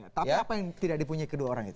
tapi apa yang tidak dipunyai kedua orang itu